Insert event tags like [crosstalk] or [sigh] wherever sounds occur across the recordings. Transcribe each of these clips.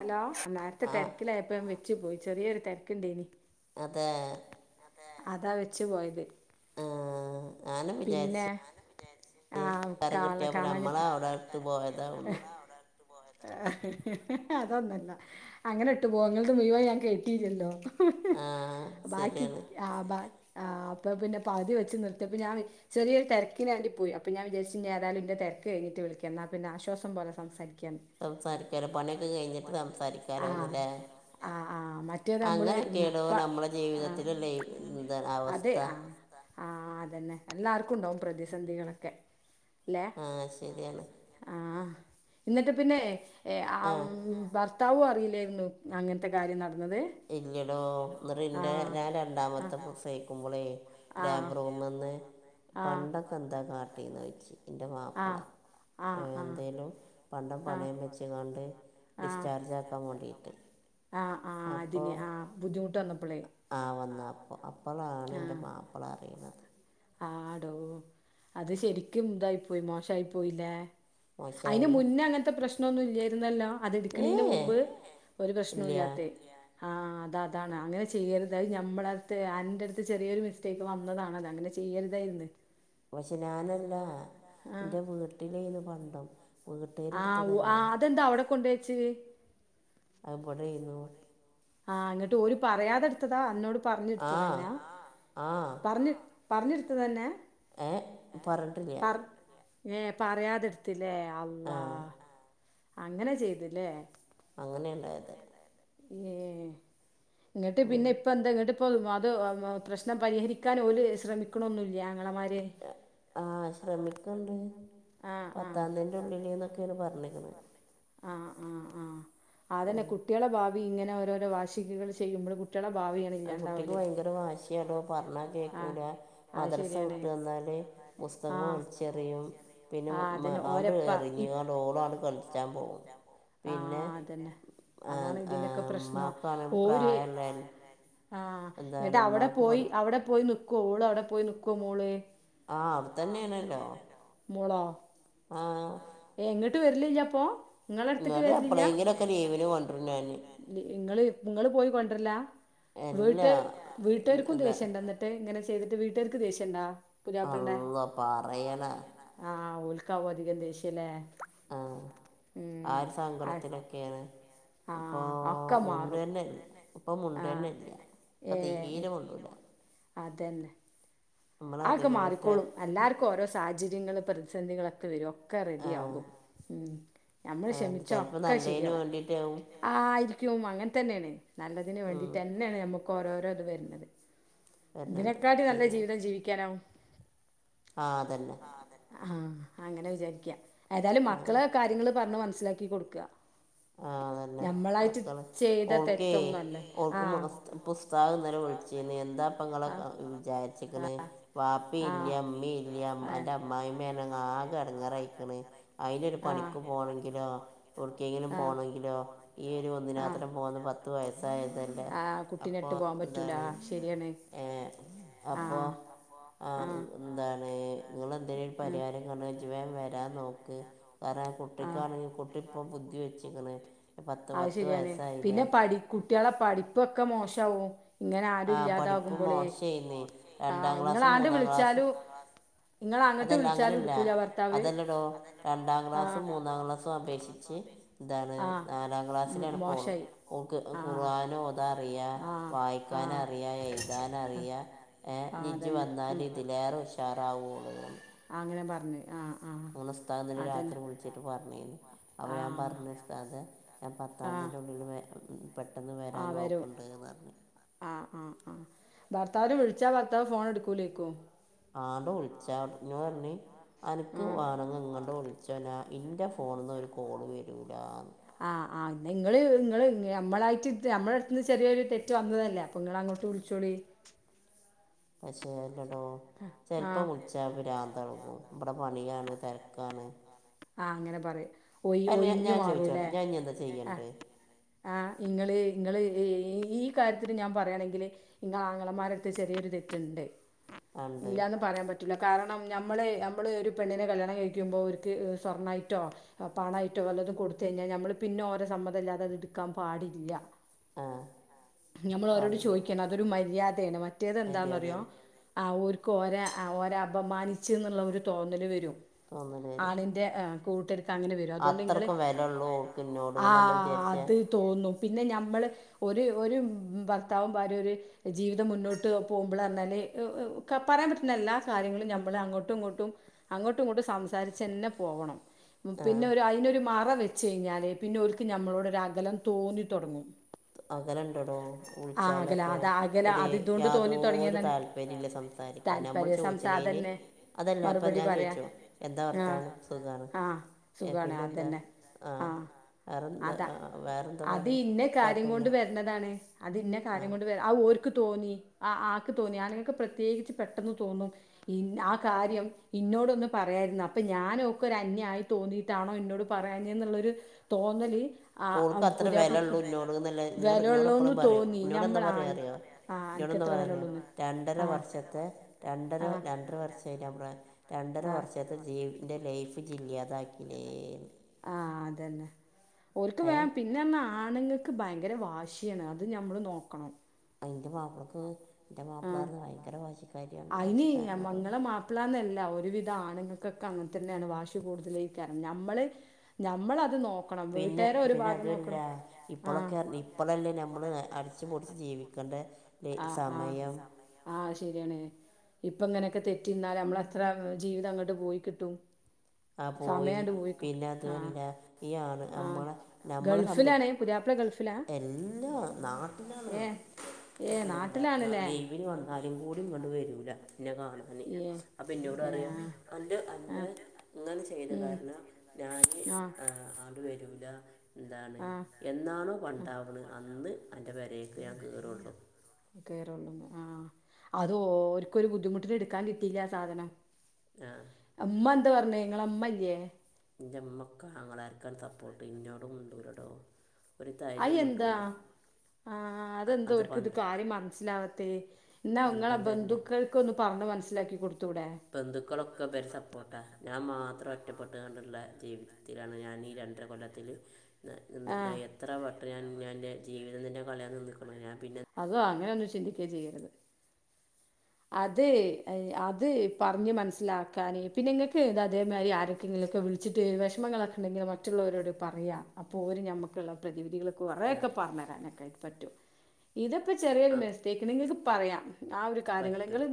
Hello, നേര്ത്തെ ആ തെര്ക്കിലായപ്പോ ഞാൻ വെച്ചു പോയി. ചെറിയൊരു തെര്ക്ക്ണ്ടേനി അതേ അതാ വെച്ച് പോയത് ആ, ഞാനും പിന്നെ വിചാര്ച്ച് ആ കര കാണ കിട്ടിയാപ്പ നമ്മള കാണാഞ്ഞപ്പോ അവിടെ ഇട്ട് പോയതാ ഒന്ന് അതൊന്നല്ല അങ്ങനെട്ട് പോവൊ ഇങ്ങൾത് മുഴ് വൻ ഞാൻ കേട്ടീല്ലല്ലോ ആ ബാക്കി, ശരിയാണ് ആ ബ ആ അപ്പ പിന്നെ പകുതി വെച്ച് നിർത്തിയപ്പം ഞാൻ ചെറിയൊരു തെരക്കിനേണ്ടി പോയി. അപ്പ ഞാൻ വിചാരിച്ചു, ന്യേതായാലും ന്റെ തെര്ക്ക് കഴിഞ്ഞിട്ട് വിളിക്കാം ന്നാ പിന്നെ ആശ്വാസം പോലെ സംസാരിക്യാന്ന് സംസാരിക്കാലോ, പണിയൊക്കെ കഴിഞ്ഞിട്ട് ആ സംസാരിക്കാലോന്ന്ലേ ആ ആ മറ്റേത് നമ്മള് അങ്ങനൊക്കേടോ ഇപ്പ നമ്മള ആ ജീവിതത്ത്ല്ള്ളേയ് എന്ത്‌ അവസ്ഥ ആഹ് അതന്നെ എല്ലാർക്കുംണ്ടാവും പ്രതിസന്ധികളൊക്കെ ആഹ് ശര്യാണ് ആഹ് ഇന്നട്ട് പിന്നേയ് ആ ഭർത്താവും അറീലേര്ന്നു അങ്ങൻത്തെ കാര്യം നട്ന്നത് ഇല്ല്യെടോ ന്നട്ട്ന്റെ ഞാൻ ആ രണ്ടാമത്തെ രണ്ടാമതായി പ്രസവിക്കുമ്പളേ ആ ലേബറൂ മ്ന്ന് ആ പണ്ടൊക്കെ എന്താ കാട്ടീന്നോയ്ച്ച്. ഇന്റെ ആ മാപ്പള ആ ആ എന്തേലും പണ്ടം ആ പണയം വെച്ച്ക്കാണ്ട് പഠിച്ചു കണ്ട് ആ ഡിസ്ചാജാക്കാൻ വേണ്ടിയിട്ട് ആ ആ അപ്പോ അതിന് ആ ബുദ്ധിമുട്ട് വന്നപ്പളേ ആഹ് വന്ന് അപ്പം അപ്പളാണ്ന്റെ ആ മാ പ്ല അറിണത് ആടോ അത് ശരിക്കും തായി പോയി മോശായി പോയിലേ അയ്ന് മോശമായി മുന്നേ അങ്ങൻത്തെ പ്രശ്നൊന്നും ഇല്ലേരുന്നല്ലോ ഏ അതിട്ക്ക്ണിൻ്റെ മുമ്പ് ഒരു ഇല്ല പ്രശ്നൂല്യാത്തെയ് ആഹ് അത അതാണ് അങ്ങനെ ചെയ്യരുത്. അത് ഞമ്മളട്ത്ത് അൻ്റട്ത്ത് ചെറിയൊരു മിസ്റ്റേക്ക് വന്നതാണ്. അത്ങ്ങനെ ചെ ചെയ്യരുതായിര്ന്ന് പക്ഷെ ഞാനല്ല ആ ഇൻ്റെ വീട്ടിലെയ്ന്നു പണ്ടം ആഹ് ഉ വീട്ടുകാരെടുത്തതല്ലേ ആഹ് അതെന്താ അവടെക്കൊണ്ടേച്ച് അഹ് ബടെയ്ന്നു ആഹ് ങ്ങട്ടോല് പറയാതെട്ത്തതാ അന്നോട് ആ പർഞ്ഞിട്ത്തതന്നാ ആഹ് ആ പർഞ്ഞ് പർഞ്ഞ്ട്ത്തതെന്നെ ഏഹ് പറട്ടില്യ ഏഹ് പറയാതെട്ത്ത്ലേ ആ അള്ളാ അങ്ങനെ ചെയ്ത് ലേ അങ്ങനേ ണ്ടായത് ഏഹ് ങ്ങട്ട് ഉം. പിന്നെ ഇപ്പ എന്താ ങ്ങട്ട് ഇപ്പം അത് പ്രശ്നം പരിഹരിക്കാൻ ഓല് ശ്രമിക്ക്ണൊന്നുല്ല്യേ ആങ്ങളമാര് ആഹ് ശ്രമിക്ക്ണ്ട് ആഹ് ആഹ് പത്താന്തി ന്റുള്ളില് ന്നൊക്കെയാണ് പറഞ്ഞിക്ക്ണെ ആഹ് ആഹ് ആഹ് അതന്നെ കുട്ട്യളെ ഭാവി ഇങ്ങനെ ഓരോരോ വാശിക്ക് ങ്ങന ചെയ്യുമ്പള് കു ട്ട്യളെ ഭാവിയാണ് ആഹ് കുട്ടിക്ക് ഇല്ലാണ്ടാവല് ഭയങ്കര വാശ്യാടോ പറഞ്ഞാ ആഹ് കേക്കൂല അത് മദ്റസ ശരിയാണ് വ്ട്ട് വന്നാല് പുസ്തകോം ആഹ് വലിച്ചെറിയും പിന്നെ ആഹ് മ അതന്നെ ആണ്ട് ഓരപ്പ ഇ എറിഞ്ഞ് കാ ട്ടോളാട്ട് കളിച്ചാൻ പോകും പിന്നെ ആഹ് അതന്നെ ആ, അതാണ് ആ, ഇതിൻ്റൊക്കെ പ്രശ്നം ഉമ്മാക്കാണ് ഓര് പ്രായമല്ല പ്രായല്ലെ ആഹ് എന്താണ് ന്ന്ട്ടവടെ ഉമ്മാക്ക് പോയി പഠി അവടെ പോയി നിക്കോ ഓളവടെ പോയി നിക്കോ മോള്? ആഹ് അവുട് തന്നെയാണല്ലോ മോളോ ആഹ് ഏഹ് ങ്ങട്ട് വരലില്ലപ്പൊ? ങ്ങട്ട് എപ്പളേങ്കിലൊക്കെ ലീവിന് കൊണ്ടരും ഞാന് ങ്ങള് ങ്ങള് പോയി കൊണ്ടർലാ അല്ല വീട്ട് വീട്ടാർക്കും എന്താ ദേഷ്യണ്ടോ ന്ന് ട്ട് ങ്ങനെ ചെയ്തിട്ട് വീട്ടാർക്ക് ദേഷ്യംണ്ടാ? അള്ളാ പറയണൊ ആഹ് ഓൽക്കാവും അധികം ദേഷ്യല്ലേ ആഹ് ആ ഒരു സങ്കടത്തിലൊക്കെയാണ് ആ അപ്പോ ആ ഒക്കെ മാറും മുണ്ടെന്നെല്ല ഇപ്പം ആ മുണ്ടെന്നെല്ല ഇപ്പ ഏ തീരെ മുണ്ടൂല അഒക്കെ നമ്മളധികം പറ്റ മാറിക്കോളും എല്ലാർക്കും ഓരോ സാഹചര്യങ്ങളും പ്രതിസന്ധികളൊക്കെ വരും ക്ക ആ റെഡി ആകും ഉം നമ്മള് അതുതന്നെ ക്ഷമിച്ച ചിലപ്പോൾ ഒക്കെ നല്ലതിന് ശരിയാവും വേണ്ടിയിട്ടാവും ആയിരിയ്ക്കും അങ്ങനെ തന്നെയാണ് നല്ലതിന് ഉം, വേണ്ടിട്ടെ ന്നെയാണ് ഞമ്മക്കോരോരോ ത് വര്ണത് വരുന്നത് ഇതിനെക്കാട്ടി നല്ല ജീവിതം ജീവിയ്ക്കാനാവും ആഹ് അതന്നെ ആഹ് അതെന്നെ ആഹ് അങ്ങനെ വിചാരിയ്ക്കാ ഏതാലും ആ മക്കളെ കാര്യങ്ങള് പറഞ്ഞ് മനസ്സിലാക്കി കൊട്ക്ക ആഹ് അതന്നെ മക്കള് ചെയ്ത ഓൾക്കേ തെറ്റൊന്നുമല്ലേ ആ ഓൾക്ക് മാസ്ത് പ്പുസ്താദ് ന്നലെ വിളിച്ചിനി എന്താപ്പങ്ങളൊക്ക വിചാരിച്ച് ആ ക്കണെ ആ വാപ്പീല്ല മ്മീല്ല ആ അന്റെ അമ്മായിമ്മാണെങ്ങാകെ എടങ്ങാറയിക്ക്ണ് അയ്നൊര് ആ പണിക്ക് പോണെങ്കിലൊ എവുട്ക്കെങ്കിലും ആ പോണെങ്കിലോ ഈ ഒരു ആഹ് ഒന്നിനാത്രം പോന്ന പത്ത് വയസായതല്ലേ ആഹ് അപ്പൊ കുട്ടിനെട്ട് പോകാൻ പറ്റൂല ന്താണ് ശരിയാണ് ഏഹ് അപ്പൊ ആഹ് ആഹ് ന്താണ് ങ്ങളെന്തേലും ഒരു ആഹ് പരിഹാരം ഞാം പർഞ്ഞ് ജ് വേം വരാൻ നോക്ക് കാരണം ആഹ് കുട്ടിക്കാണെങ്കി കുട്ടി പ്പൊ ബുദ്ധി വെച്ചിക്ക്ന്ന് അത് ശരിയാണ് പിന്നെ പഠി കുട്ടികളെ പഠിപ്പൊക്കെ മോശാവും ങ്ങനെ ആ ആരും പഠിപ്പ് ഇല്ലാതാകുമ്പൊളേ മോശമായിന്ന് രണ്ടാം ആഹ് ക്ലാസ് ങ്ങളാണ്ട് മൂന്നാം ക്ലാസ് വിളിച്ചാലും ഇങ്ങള് അങ്ങട്ട് അതല്ല വിളിച്ചാലും അങ്ങനെയല്ല എടുക്കൂല ഭർത്താവ് അതല്ലെടോ രണ്ടാം ക്ലാസ്സും രണ്ടാം മൂന്നാം ക്ലാസ്സും അപേക്ഷിച്ച് ന്താണ് എന്താണ് നാലാം ക്ലാസ്സിലാണ്പ്പോള് ക്ലാസ്സിലാണ് ഇപ്പോ ഓക്ക് അവർക്ക് ഖുറാനോതാറിയ ഇതാവില്ല വായി ആഹ് ക്കാനറിയ എഴുതാനറിയ ഏഹ് ഇനി ഞ്ജ് അതന്നെ വന്നാല് ഇതിലേറെ ഉഷാറാവോള് ആഹ് അങ്ങനെ പറഞ്ഞ് ആ ആഹ് അന്നുസ്താദിനെ രാത്രി വിളിച്ചിട്ട് പറഞ്ഞീന് അപ്പ ആ ഞാം പറഞ്ഞു ഉസ്താദേ ഞാൻ ആ പത്താന്തിൻ്റെ ഉള്ളില് വെ പെട്ടെന്ന് വരാൻ നോക്ക്ണ്ട്ന്നർഞ്ഞു ആഹ് ആ ആ ഭർത്താവിനെ വിളിച്ചാ ഭർത്താവ് ഫോണെടുക്കൂലേക്കു. ആണ്ട് വിളിച്ചാ ന്നോടർഞ്ഞ് ആ അൻക്ക് വാണങ്ങി ങ്ങട്ട് വിൾ ച്ചൊ ന ഇൻ്റെ ഫോണ്ന്ന് ഒരു കോള് വരൂലാന്ന് ആഹ് ആഹ് നിങ്ങെള് ഇങ്ങെള് ഞമ്മളായ്ട്ട് ത് ഞമ്മെളെട്ത്ത്ന്ന് ചെറിയൊരു തെറ്റ് വന്ന്തല്ലേ പ്പ ങ്ങളങ്ങോട്ട് വിൾച്ചോളീ പക്ഷെ എന്നടോ ആ ചെൽപ്പം വ്ൾച്ച് ച്ചാ ഭ്രാന്തളെകും ബെടെ പണിയാണ് തെര്ക്കാണ് ആഹ് അങ്ങെനെ പറയും ഒയി ഞാൻ ഒയിഞ്ഞ് ഞാൻ ചോദിച്ചോട്ടെ മാറൂലേ ഞാൻ ഇനി എന്താ ആഹ് ചെയ്യണ്ടേ ആഹ് ഇങ്ങെള് ഇങ്ങെള് ഈ കാര്യത്തില് ഞാൻ പറയാണെങ്കില് ഇങ്ങെളെ ആങ്ങളമാരെട്ത്ത് ചെറിയൊരു തെറ്റ്ണ്ട് ഉണ്ട് ഇല്ലാന്ന് പറയാം പറ്റൂല കാരണം ഞമ്മള് ഞമ്മള് ഒരു പെണ്ണിനെ കല്യാണം കഴിയ്ക്കുമ്പോ ഓര്ക്ക് സ്വർണ്ണായ്ട്ടോ പണായ്ട്ടോ വല്ലതും കൊട്ത്തയ്ഞ്ഞാ ഞമ്മള് പിന്നെ ഓരെ സമ്മതല്ലാതെ അത് ഇട്ക്കാം പാടില്ല ആ ഞമ്മളോരോട് പാടില്ല ചോയ്ക്കെണം അതൊരു മര്യാദേണ് മറ്റേത് മര്യാദ എന്താന്നറിയോ ആഹ് ഓര്ക്ക് ഓരെ ആഹ് ഓരെ അപമാനിച്ച് ന്ന്ള്ള ഒരു തോന്നല് വെരും തോന്നല് വെരും ന്റെ കൂട്ടര്ക്കങ്ങെനെ വെരും അതോണ്ട് ഇങ്ങെള് വില അത്രെക്കും ഉള്ളൂ ഓൾക്ക് വെലൊള്ളൂ എന്നോട് എന്നല്ല ആഹ് വിചാരിച്ചേ അത് തോന്നും പിന്നെ ഞമ്മള് ഒര് ഒരു ഭർത്താവും ഭാരിം ഒര് ജീവിതം മുന്നോട്ട് പോവുമ്പളർഞ്ഞാല് ക പറയാം പറ്റ്ണ എല്ലാ കാര്യങ്ങളും ഞമ്മെള് അങ്ങോട്ടും ഇങ്ങോട്ടും അങ്ങോട്ടും ഇങ്ങോട്ടും സംസാരിച്ചെന്നെ പോവെണം പിന്നെ ഒരു അയ്നൊരു മറ വെ ച്ചെയ്ഞ്ഞാല് പിന്നെ ഓൽക്ക് ഞമ്മളോടൊരകലം തോന്നി തൊടങ്ങും അകലണ്ടെടോ അകല വുൾച്ചാലൊക്കെ അത് അകല ഒര് അത് ഇതുകൊണ്ട് തോന്നി യാതൊരു തുടങ്ങിയതാണ് താൽപ്പര്യുല്ല സംസാരി ക്കാൻ ഞമ്മള് താല്പര്യ സംസാരം ചോയ്ച്ച്ണേന് തന്നെ അതല്ലാ പ്പം മറുപടി ഞാൻ പറയാൻ ചോയ്ച്ചും എന്താ ആ വർത്താനം സുഖാണ് ആഹ് ഏഹ് സുഖാണ് പിന്നെന്താ അതന്നെ ആഹ് വേറെന്താ അതാ അഹ് അഹ് വേറെന്താ അത് പാട് ഇന്ന കാര്യം കുഴപ്പമില്ല കൊണ്ട് വെര്ണതാണ് അത് ഇന്ന ആ കാര്യം കൊണ്ട് വെരാ അത് ഓര്ക്ക് തോന്നി അഹ് ആക്ക് തോന്നി ആണ്ങ്ങക്ക് പ്രത്യേകിച്ച് പെട്ടെന്ന് തോന്നും ഇൻ ആ കാര്യം ഇന്നോടൊന്ന് പറയാര്ന്ന് അപ്പം ഞാനാേ ക്കൊരന്യായി തോന്നീട്ടാണോ ഇന്നോട് പറയാഞ്ഞെന്ന്ള്ളൊര് തോന്നല് ആ ഓൾക്കത്ര പുതിയാപ്ലക്ക് വെലാെള്ളൂ ഇന്നോട്ന്ന്ല്ലെ ഇന്നോട് ഇന്നോട് വിലയുള്ളൂന്ന് എപ്പളും പറയും തോന്നി ഇന്നോട് എന്താ ഞമ്മളാ പറയാ അറിയോ ആ അനക്ക് ഇന്നോടെന്താ എത്ര പറയാറ്യോ വിലയുള്ളൂന്ന് രണ്ടര ആ വർഷത്തെ രണ്ടര ആ രണ്ടര വർഷ് [unintelligible] രണ്ടര ആ വർഷത്തെ ജീവി ഇൻ്റെ ലൈഫ് ജില്ല്യാതാക്കീലേന്ന് ആഹ് അതന്നെ ഓൽക്ക് ഏ വേം പി പിന്നെർഞ്ഞാ ആണ്ങ്ങക്ക് ഭയങ്കര വാശ്യാണ് അതും ഞമ്മള് നോക്കണം അത് ഇൻ്റെ മാപ്പ്ളക്ക് ന്റെ ആഹ് മാപ്പ്ളാർഞ്ഞ ഭയങ്കര വാശിക്കാര്യാണ് വാശിക്കാര്നൊരു പ്പ്ളാന്നല്ല ഒരുവിധം ആണ്ങ്ങക്കെക്കെ അങ്ങൻ തന്നേണ് വാശി കൂട്തെലെയ്ക്കാരം ഞമ്മെള് ഞമ്മളത് നോ പിന്നെ പിന്നെ അതും അല്ലാ ആഹ് ഇപ്പളൊക്കെ നി ഇപ്പളല്ലേ ഞമ്മള് അടിച്ച്പൊൾച്ച് ജീവിക്കെണ്ടെ ആഹ് ആഹ് സം ആഹ് അത് ശരിയാണേ ഇപ്പം ഇങ്ങനെയെക്കെ തെറ്റിന്നാല് അമ്മളെത്രാ ജീവിതങ്ങട്ട് പോയി കിട്ടും ആ പോയി സമയാണ്ട് പോയ്ക്ക്ട്ടും പിന്നെ ആഹ് അതുമല്ല ഈ ആണ് ആഹ് നമ്മളെ ഗൾഫ്‌ലാണെ പുത്യാപ്പള ഗൾഫ് എല്ലാ നാട്ടിലാണ് ഏഹ് ഏഹ് എന്താ ന നാട്ടിലാണല്ലേ ലീവിന് വ ന്നാലും കൂടിങ്ങെട്ട് വെരൂല ന്നെ കാണാ ന് ഇയ്യേ അപ്പം ഇന്നോടറിയും ഏഹ് അന്റെ അന്റെ ആഹ് ഇങ്ങെൾത് ചെയ്തെ ഉം കാര്ണം ഞാന് ആഹ് ആണ്ട് വെരൂലാ ന്താണ് ആഹ് എന്നാണോ പണ്ടാ വ്‌ണ് അന്ന് അൻ്റെ പെരേക്ക് ഞാൻ കേറൊള്ളു കേറെള്ളൂന്ന് ആഹ് അത് ഓര്ക്കൊരു ബുദ്ധിമുട്ടില് ഇട്ക്കാൻ കിട്ടീല്ല്യാ ആ സാധനം ആഹ് അപ്പ ഇമ്മെന്ത് പർഞ് ഇങ്ങളെമ്മല്ല്യ? എന്റെമ്മക്കെ ആങ്ങളാർക്കാണ് സപ്പോർട്ട് ഇന്നോട് മുണ്ടൂലടോ ഒരു തരി അയെന്താ? മുണ്ടൂല ആഹ് അ- അതെന്താ അത് ഓര്ക്ക്ത് പണ്ട് കാര്യം മനസ്സിലാവാത്തേ? ഇന്നാ നിങ്ങളെ പണ്ടം തരൻ്റെ ബന്ധുക്കൾ ക്കൊന്ന് പറഞ്ഞ് മനസിലാക്കി കൊടുത്തൂടെ? ബന്ധുക്കളൊക്കെ ഇവരെ സപ്പോർട്ടാ ഞാ മാത്രം ഒറ്റപ്പെട്ടു കാണ്ടുള്ള ജീവിതത്തിലാണ് ഞാനീ രണ്ടര കൊല്ലത്തില് ഞാ ആഹ് എത്ര വട്ടം ഞാ ഇന്റെ ജീവിതം തന്നെ കളയാൻ നിന്ന്ക്ക്ണ് ഞാ പിന്നെ അള്ളാ അങ്ങനെയൊന്നും ചിന്തിക്കെ ചെയ്യര്ത് അത് എ അത് പറഞ്ഞ് മനസ്സിലാക്കാന് പിന്നെങ്ങക്ക് അതേമാതിരി ആരേക്കേങ്കിലൊക്കെ വിളി ച്ചിട്ട് വെഷമങ്ങളൊക്കെണ്ടെങ്കിൽ മറ്റുള്ളവരോട് പറയാ അപ്പോര് നമ്മക്ക്ള്ള പ്രതിവിധികളക്കെ കുറേക്കെ പറഞരാനെക്കെയായിട്ട് പറ്റും ഇത് ഇപ്പൊ ചെറിയൊരു ആ മിസ്റ്റേക്ക്ണ്ട് ഇങ്ങക്ക് പറയാം ആ ഒരു കാര്യങ്ങള് പറ്റും ഇങ്ങള്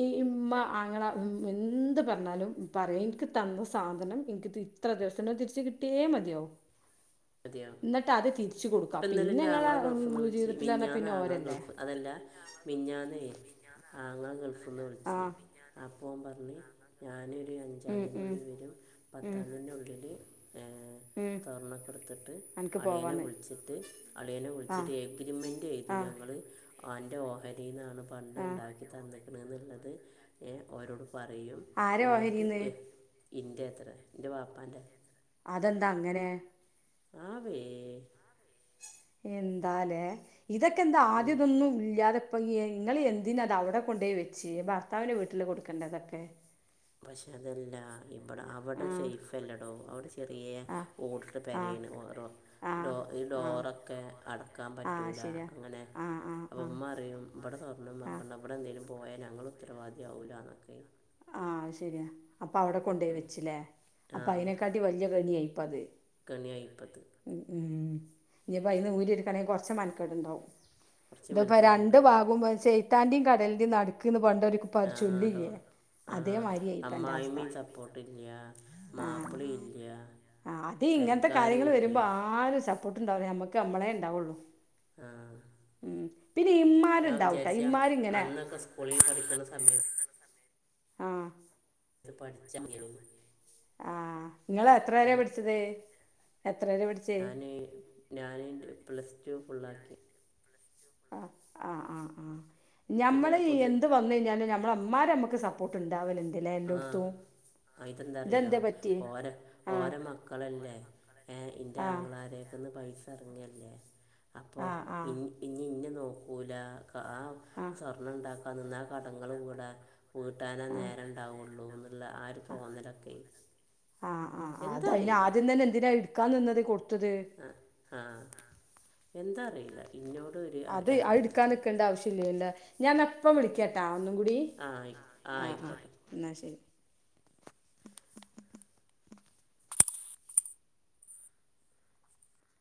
ഈ ഇമ്മ ആങ്ങള എന്ത് പറഞ്ഞാലും പറയാ ഇനിക്ക് തന്ന സാധനം ഇനിക്ക് തിരി ഇത്ര ദിവസത്തിന് അഹ് തിരിച്ച് കിട്ടിയേ മതിയാവു അതെയോ കൊടുക്കാം പിന്നെ ഇപ്പെന്നലെന്റെ നിങ്ങളെ ആങ്ങള ഗൾഫ്ന്ന് വിളിച്ച് ജീവിതത്തിൽ പറഞ്ഞാൽ പിന്നെ മിഞ്ഞാന്നാങ്ങള ഓരല്ലേ ഗൾഫ്- അതല്ല മിഞാന്നേ ആങ്ങള ഗൾഫ് ന്ന് ആ വിളിച്ച് അപ്പോൻ പറഞ്ഞ് ഞാനൊരു ഉം ഉം അഞ്ചാംതി്ന്റുള്ളിൽ വരും ഉം പത്താംതിന്റുള്ളില് ഉം സ്വർണക്കട് ത്ത്ട്ട് അനക്ക് അളിയനെ പോവാന്ന് വിളിച്ചിട്ട് അളിയനെ ആ വിളിച്ചിട്ട് എഗ്രിമെൻറ് എഴ്തും ആ ഞങ്ങള് അൻ്റെ ഓഹരീന്നാണ് ആ പണ്ടണ്ടാക്കി തന്ന്ക്കണേന്നുള്ളത് ഓരോട് പറയും ആരാ ഇന്ന്ട്ട് ഓഹരിന്ന് ഇന്റെത്ര ഇന്റെ വാപ്പാന്റെ അതെന്താ അങ്ങനെ? ആവേ എന്താലെ ഇതൊക്കെന്താ ആദ്യതൊന്നും ഇല്ലാതെ ഇ പ്പൊയേ ഇങ്ങളെ എന്തിനത് അവിടെ കൊണ്ടോയി വെച്ച് ഭർത്താവിന്റെ വീട്ടില് കൊടുക്കേണ്ടതൊക്കെ? പക്ഷേ അതല്ല ഇവിടെ അവടെ ആ സേഫല്ലടോ അവിടെ ചെറിയ ആ ഓടിട്ട് ആ പെരേണ് ഓരോ ആ ഡോ ഈ ആ ഡോറൊക്കെ അടക്കാൻ ആ പറ്റൂല ശരിയാ അങ്ങനെ ആ ആ ആ അപ്പമ്മറിം ഇബടെ സ്വർണ്ണം ആ വെക്കണ്ട ഇബടെന്തേങ്കിലും പോയാ ഞങ്ങള് ഉത്തരവാദിയാവൂല്ലന്നൊക്കെ ആ അഹ്ശരിയാ അപ്പവിടെ കൊണ്ടോയി വെച്ചില്ലേ? അപ്പയിനെക്കാട്ടി വല്ല്യ കെണിയായിപ്പത് കെണിയായിപ്പത് ഉംഉ ഇഞ്പ്പയിന്ന് ഊരിയെട്ക്കണെങ്കി കൊറച്ച് മെൻക്കട്ണ്ടാവും കുറച്ച് ഇത്പ്പ രണ്ട് മെനക്കറുണ്ട് ഭാഗവും ചെയ്ത്താന്റിം കടലിന്റിം നട്ക്ക്ന്ന് പണ്ടൊരു പറഞ്ചൊല്ലില്ലേ? ആഹ് അമ്മായിമ്മിം സ പ്പോട്ടില്ല ആ മാപ്പിളില്ല്യ ആ അത് ഇങ്ങനത്തെ കാര്യങ്ങൾ പെരക്കാരുല്ല്യ വരുമ്പോ ആരും സപ്പോട്ട്ണ്ടാവൂല നമ്മക്ക് നമ്മളേണ്ടാവൊള്ളു ആ ഉം പിന്നെയിമ്മാര്ണ്ടാവുട്ടെ ഇമ്മാരിങ്ങനെ സ്ക്കൂളി പഠിക്കുന്ന സമയത്ത് ആഹ് കരുതും പഠിച്ചാ മതിയേനിന്ന് ആഹ് ഇങ്ങളെത്ര വരേ പഠിച്ചത്? എത്ര വരെ പഠിച്ചെ? ഞാൻ ഞാന് ന്റെ പ്ലസ് ടു ഫുള്ളാക്കി ആഹ് ആഹ് ആഹ് ആ പിന്നെ ഞമ്മള് പൊതു എന്ത് വന്നഴിഞ്ഞാലും ഞമ്മളെമ്മാര് അമ്മക്ക് സപ്പോ പോട്ടുണ്ടാവലുണ്ടല്ലേ എന്തോട്ത്തോ അയിതെന്താ അറിയോ ഓര ആഹ് ഓര മക്കളല്ലേ എൻ്റെ ആഹ് ആങ്ങളമാരെയൊക്കെന്ന് പൈസ റങ്ങല്ലേ അപ്പോ ആഹ് ആഹ് ഇനി ഇന്നെ നോക്കൂല ആഹ് സ്വർണ്ണം ഉണ്ടാക്ക നിന്ന ആ കടങ്ങൾ വീട്ടാനാ നേര ഉണ്ടാവുള്ളൂ എന്നുള്ള ആര് തോന്നലൊക്കെ ആയി ആഹ് ആഹ് അത് അതിന് ആദ്യം തന്നെ എന്തിനാ എടുക്കാൻ നിന്നത് കൊടുത്തത് ആഹ് ആഹ് എന്താ അറീല്ല അത് ആ എടുക്കാൻ നിക്കേണ്ട ആവശ്യം ഇല്ലല്ലോ ഞാൻ ന്നാ ഇപ്പ വിളിക്കാട്ടാ ഒന്നും കൂടി ആഹ് ആയിക്ക ആഹ് ആയിക്കോട്ടെ എന്ന ശരി